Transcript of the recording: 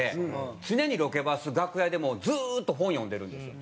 常にロケバス楽屋でもうずっと本読んでるんですよ。